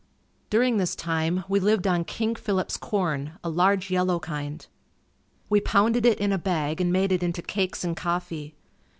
During this time, we lived on King Phillip's corn, a large yellow kind. We pounded it in a bag and made it into cakes and coffee.